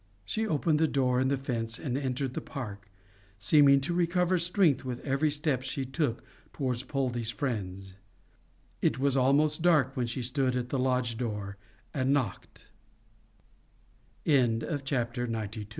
She opened the door in the fence and entered the park, seeming to recover strength with every step she took towards Poldie's friends. It was almost dark when she stood at the lodge door and knocked. CHAPTER XXVI. AN HONEST SPY.